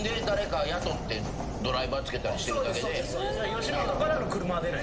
吉本からの車は出ない。